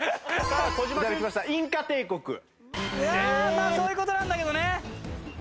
まあそういう事なんだけどね。